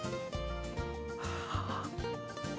はあ。